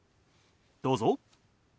どうぞ。